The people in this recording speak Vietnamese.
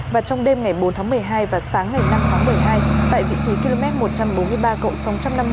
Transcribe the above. và trong đêm ngày bốn tháng một mươi hai và sáng ngày năm tháng một mươi hai tại vị trí km một trăm bốn mươi ba cộng sáu trăm năm mươi